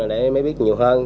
để mới biết nhiều hơn